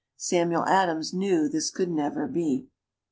Samuel Adams knew this could never be.